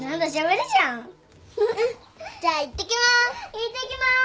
いってきます。